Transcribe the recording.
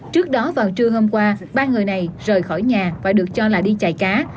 trước đó vào trưa hôm qua ba người này rời khỏi nhà và được cho là đi chải cá